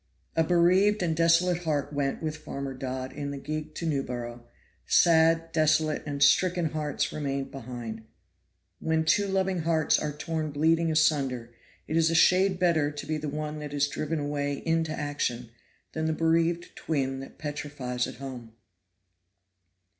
A bereaved and desolate heart went with Farmer Dodd in the gig to Newborough; sad, desolate and stricken hearts remained behind. When two loving hearts are torn bleeding asunder it is a shade better to be the one that is driven away into action, than the bereaved twin that petrifies at home.